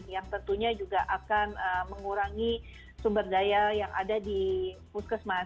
yang tentunya juga akan mengurangi sumber daya yang ada di puskesmas